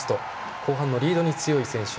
後半のリードに強い選手。